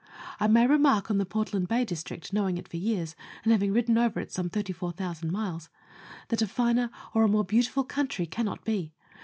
I may remark on the Portland Bay District knowing it for years, and having ridden over it some thirty four thousand miles that a finer or a more beautiful country cannot be.